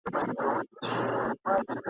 افغانستان لرغونی تاریخ لري.